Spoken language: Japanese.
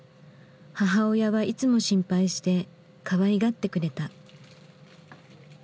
母親はいつも心配してかわいがってくれた。